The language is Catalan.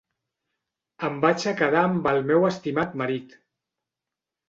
Em vaig a quedar amb el meu estimat marit.